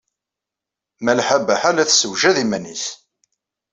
Malḥa Baḥa la tessewjad iman-nnes.